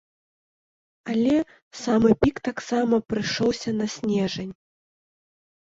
Але самы пік таксама прыйшоўся на снежань.